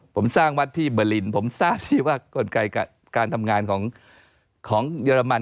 ผมสร้างวัดที่เบอร์ลินผมทราบสิว่ากลไกการทำงานของเยอรมัน